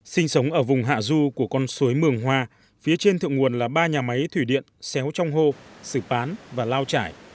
sinh sống ở vùng hạ du của con suối mường hoa phía trên thượng nguồn là ba nhà máy thủy điện xéo trong hô xử bán và lao trải